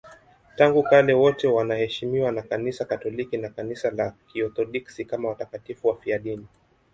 Tangu kale wote wanaheshimiwa na Kanisa Katoliki na Kanisa la Kiorthodoksi kama watakatifu wafiadini.